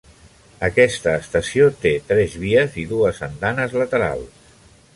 Aquesta estació té tres vies i dues andanes laterals.